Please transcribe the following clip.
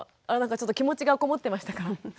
あなんかちょっと気持ちがこもってましたか？